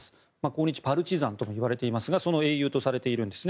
抗日パルチザンともいわれていますがその英雄とされているんです。